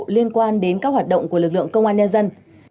liên quan đến các hoạt động của lực lượng công an nhân dân